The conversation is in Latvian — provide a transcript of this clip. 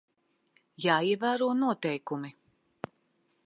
Jāievēro noteikumi.